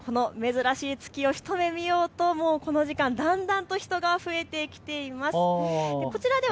さて、この珍しい月を一目見ようとこの時間、だんだんと人が増えてきています。